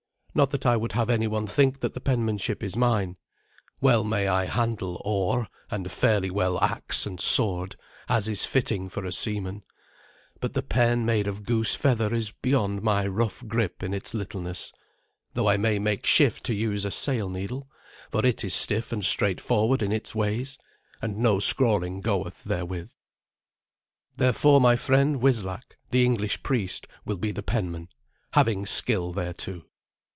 Not that I would have anyone think that the penmanship is mine. Well may I handle oar, and fairly well axe and sword, as is fitting for a seaman, but the pen made of goose feather is beyond my rough grip in its littleness, though I may make shift to use a sail needle, for it is stiff and straightforward in its ways, and no scrawling goeth therewith. Therefore my friend Wislac, the English priest, will be the penman, having skill thereto.